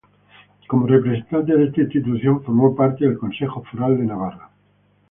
Como representante de esta institución, formó parte del Consejo Foral de Navarra.